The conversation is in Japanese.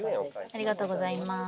ありがとうございます。